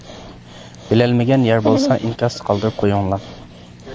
بىلەلمىگەن يەر بولسا ئىنكاستا قالدۇرۇپ قويۇڭلار.